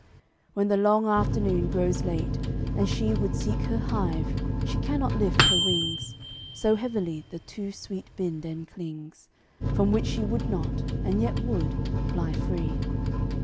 When the long afternoon grows late, and she Would seek her hive, she cannot lift her wings. So heavily the too sweet bin den clings, From which she would not, and yet would, fly free.